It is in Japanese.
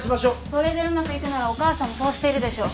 それでうまくいくならお母さんもそうしているでしょう。